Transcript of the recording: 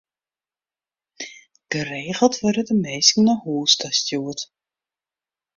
Geregeld wurde der minsken nei hûs ta stjoerd.